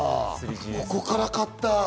ここから買った。